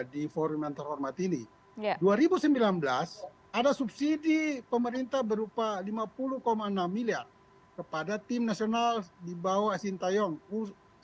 di forum yang terhormat ini dua ribu sembilan belas ada subsidi pemerintah berupa lima puluh enam miliar kepada tim nasional di bawah sintayong u sembilan belas